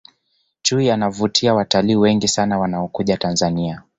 chui anavutia watalii wengi sana wanaokuja tanzania